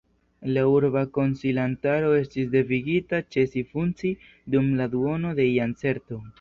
La Urba Konsilantaro estis devigita ĉesi funkcii dum la duono de jarcento.